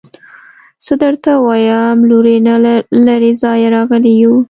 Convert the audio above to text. څه درته ووايم لورې نه له لرې ځايه راغلي يو.